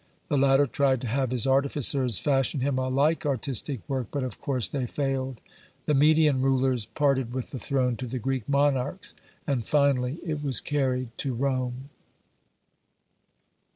The latter tried to have his artificers fashion him a like artistic work, but, of course, they failed. (72) The Median rulers parted with the throne to the Greek monarchs, and finally it was carried to Rome.